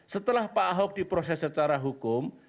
setelah pak ahok diproses secara hukum